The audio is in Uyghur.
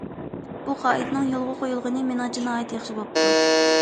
بۇ قائىدىنىڭ يولغا قويۇلغىنى مېنىڭچە ناھايىتى ياخشى بوپتۇ.